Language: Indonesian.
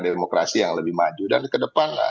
demokrasi yang lebih maju dan ke depan